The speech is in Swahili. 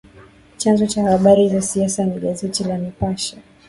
Chanzo cha habari za siasa ni gazeti la Nipashe